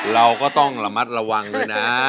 เราก็ต้องระมัดระวังด้วยนะ